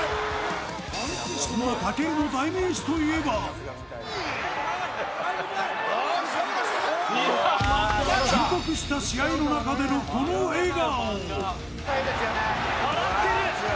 そんな武尊の代名詞といえば緊迫した試合の中でのこの笑顔。